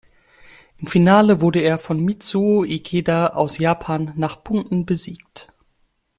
Im Finale wurde er von Mitsuo Ikeda aus Japan nach Punkten besiegt.